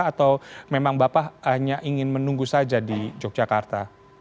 atau memang bapak hanya ingin menunggu saja di yogyakarta